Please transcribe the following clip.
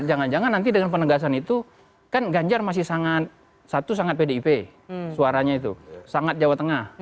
jangan jangan nanti dengan penegasan itu kan ganjar masih sangat satu sangat pdip suaranya itu sangat jawa tengah